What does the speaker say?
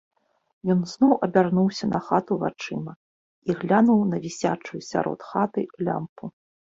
Ён зноў абярнуўся на хату вачыма і глянуў на вісячую сярод хаты лямпу.